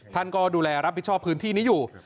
ท่านก็ดูแลรับผิดชอบพื้นที่นี้อยู่